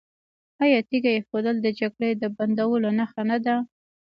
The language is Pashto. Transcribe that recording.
آیا تیږه ایښودل د جګړې د بندولو نښه نه ده؟